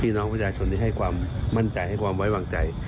น้องประชาชนที่ให้ความมั่นใจให้ความไว้วางใจ